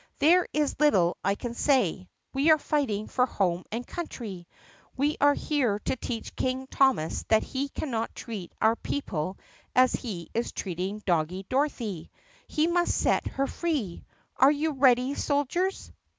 There is little I can say. We are fighting for home and country. We are here to teach King Thomas that he cannot treat our peo ple as he is treating Doggie Dorothy. He must set her free. Are you ready, soldiers?"